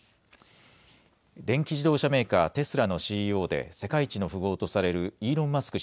電気自動車メーカーテスラのＣＥＯで世界一の富豪とされるイーロン・マスク